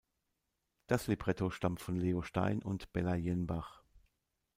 Das Libretto stammt von Leo Stein und Bela Jenbach.